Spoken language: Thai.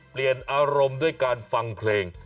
เปลี่ยนอารมณ์ด้วยการฟังเพลง